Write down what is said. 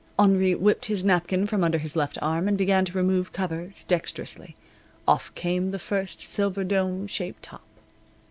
Henri whipped his napkin from under his left arm and began to remove covers, dexterously. Off came the first silver, dome shaped top.